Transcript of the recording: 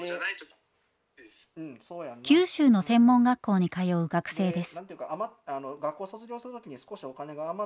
九州の専門学校に通う学生です。